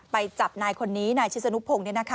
ไปจับนายคนนี้นายชิศนุพงศ์